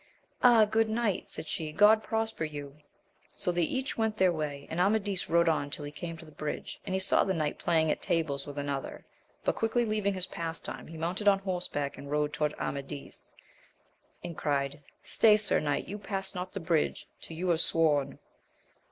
Ah, good knight, said she, God prosper you ! So they each went their way, and Amadis rode on till he came to the bridge, and he saw the knight playing at tables with anollier, but quickly leaving his pastime, he mounts 1 on horseback and rode towards Amadis, and *ed, Stay, sir knight, you pass not the bridge till you sworn